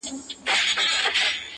ګله له تا هم زلمي ډاریږي،